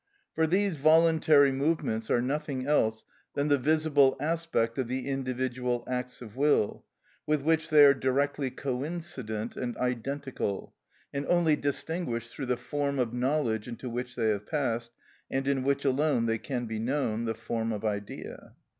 For these voluntary movements are nothing else than the visible aspect of the individual acts of will, with which they are directly coincident and identical, and only distinguished through the form of knowledge into which they have passed, and in which alone they can be known, the form of idea.